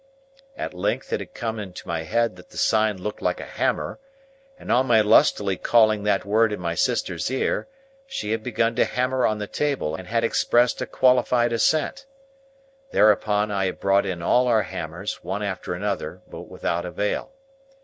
At length it had come into my head that the sign looked like a hammer, and on my lustily calling that word in my sister's ear, she had begun to hammer on the table and had expressed a qualified assent. Thereupon, I had brought in all our hammers, one after another, but without avail.